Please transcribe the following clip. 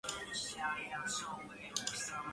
右图显示了一个典型环形山的侧面视图。